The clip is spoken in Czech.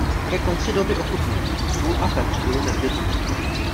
Ke konci doby ochutnejte, sůl a pepř budou nezbytností.